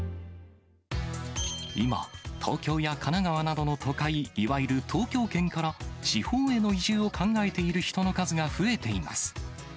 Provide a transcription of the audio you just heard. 今、東京や神奈川などの都会、いわゆる東京圏から、地方への移住を考えている人の数が増えています。